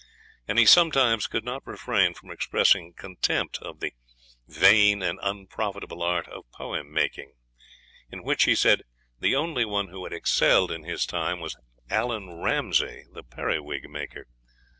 And he sometimes could not refrain from expressing contempt of the 'vain and unprofitable art of poem making', in which, he said,'the only one who had excelled in his time was Allan Ramsay, the periwigmaker.'